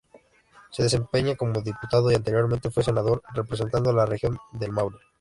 Se desempeña como diputado y anteriormente fue senador representando a la Región del Maule.